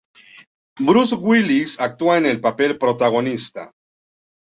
Bruce Willis actúa en el papel protagonista.